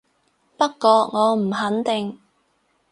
不過我唔肯定